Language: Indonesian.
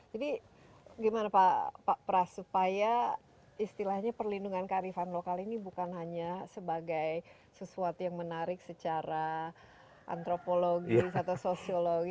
jadi gimana pak prasupaya istilahnya perlindungan kearifan lokal ini bukan hanya sebagai sesuatu yang menarik secara antropologis atau sosiologis